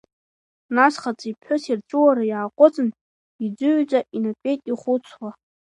Нас хаҵеи ԥҳәыси рҵәыуара иааҟәыҵын, иӡыҩӡа инатәеит ихәыцуа.